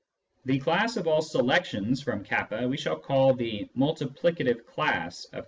The class of all " selections " from k we shall call the " multiplicative class " of k.